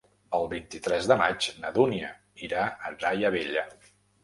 El vint-i-tres de maig na Dúnia irà a Daia Vella.